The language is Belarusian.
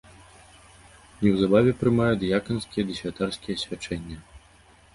Неўзабаве прымае дыяканскія ды святарскія свячэння.